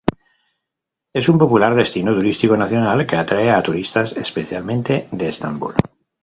Es un popular destino turístico nacional, que atrae a turistas, especialmente de Estambul.